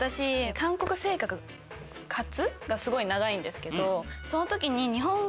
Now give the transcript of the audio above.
韓国生活がすごい長いんですけどその時に。